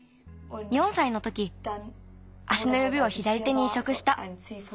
４さいのとき足のゆびを左手にいしょくした。